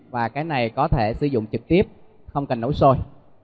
và cái này có thể sử dụng trực tiếp không cần nấu sôi